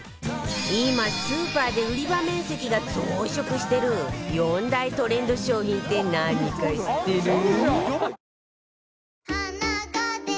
今スーパーで売り場面積が増殖してる４大トレンド商品って何か知ってる？